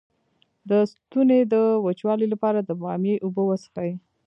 د ستوني د وچوالي لپاره د بامیې اوبه وڅښئ